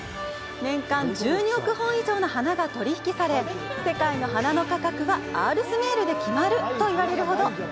年間１２億本以上の花が取引され世界の花の価格はアールスメイルで決まると言われるほど。